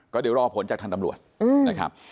ก็เดี๋ยวรอผลจากทางตำรวจนะครับ